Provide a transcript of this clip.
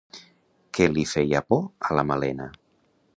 Què li feia por a la Malena?